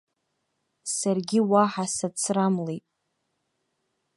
Саргьы уаҳа сацрамлеит.